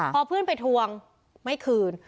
พอเพื่อนไปทวงไม่คืน